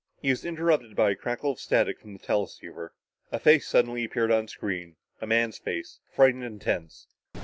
He was interrupted by a crackle of static from the teleceiver. A face suddenly appeared on the screen a man's face, frightened and tense.